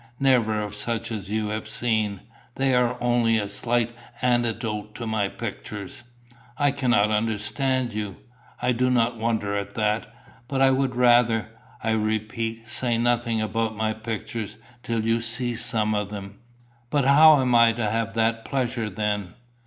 "Never of such as you have seen. They are only a slight antidote to my pictures." "I cannot understand you." "I do not wonder at that. But I would rather, I repeat, say nothing about my pictures till you see some of them." "But how am I to have that pleasure, then?"